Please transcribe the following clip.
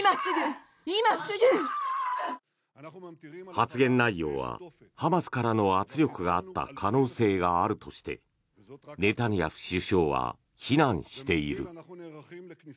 発言内容はハマスからの圧力があった可能性があるとしてネタニヤフ首相は非難している。